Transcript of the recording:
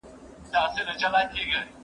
خلک پوښتنه کوي چې حل څه و؟